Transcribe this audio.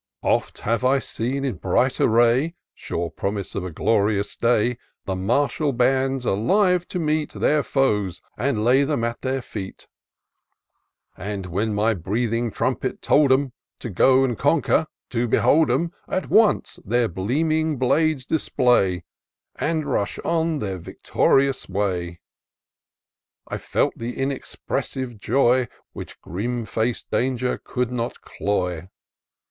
" Oft have I seen in bright array, (Sure promise of a glorious day) The martial bands alive to meet Their foes, and lay them at their feet ; And, when my breathing trumpet told 'em To go and conquer, — to behold 'em At once their beaming blades display, And rush on their victorious way, I felt the inexpressive joy Which grim fac'd danger could not cloy.